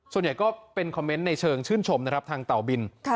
ส่วนใหญ่เป็นคอมเม้นในเชิงชื่นชมทางเตาบิน